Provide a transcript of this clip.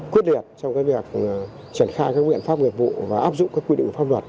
quyết liệt trong việc trảnh khai các nguyện pháp nghiệp vụ và áp dụng các quy định pháp luật